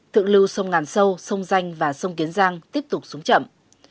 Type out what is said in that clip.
thượng lưu sông ngàn sâu sông danh và sông kiến giang tiếp tục xuống chậm